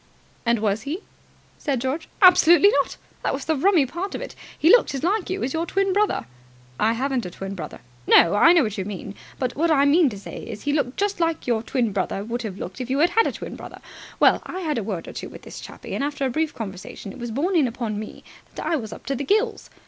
"And was he?" said George. "Absolutely not! That was the rummy part of it. He looked as like you as your twin brother." "I haven't a twin brother." "No, I know what you mean, but what I mean to say is he looked just like your twin brother would have looked if you had had a twin brother. Well, I had a word or two with this chappie, and after a brief conversation it was borne in upon me that I was up to the gills.